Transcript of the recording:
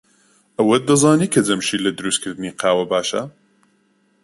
ئەوەت دەزانی کە جەمشید لە دروستکردنی قاوە باشە؟